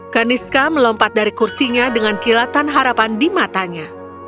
kaniska melompat dari kursinya dengan kilatan harapan di matanya